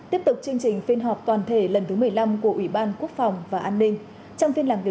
tiếp tục chương trình phiên họp toàn thể lần thứ một mươi năm của ủy ban quốc phòng và an ninh